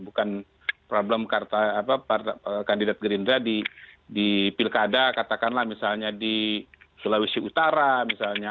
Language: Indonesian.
bukan problem kandidat gerindra di pilkada katakanlah misalnya di sulawesi utara misalnya